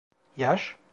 Yaş?